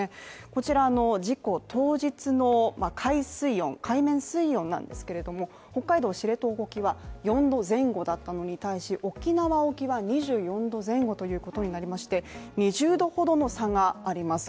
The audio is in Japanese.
こちら事故当日の海面水温なんですけど、北海道知床沖は４度前後だったのに対し沖縄沖は２４度前後でして２０度ほどの差があります。